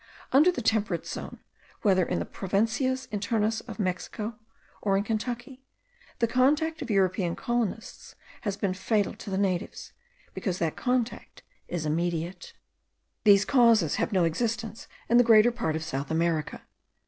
Under the temperate zone, whether in the provincias internas of Mexico, or in Kentucky, the contact of European colonists has been fatal to the natives, because that contact is immediate. These causes have no existence in the greater part of South America.